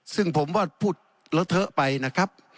ซึ่งผมว่าพูดเลอะเทอะไปนะครับ